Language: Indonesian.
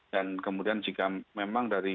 dan kemudian jika memang dari